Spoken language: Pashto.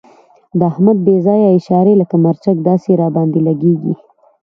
د احمد بې ځایه اشارې لکه مرچک داسې را باندې لګېږي.